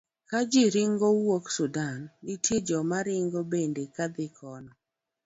ka ji ringo wuok Sudan, nitie joma ringo bende kadhi kono.